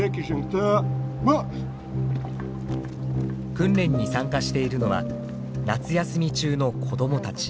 訓練に参加しているのは夏休み中の子どもたち。